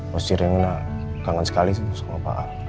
wastir rena kangen sekali sama bapak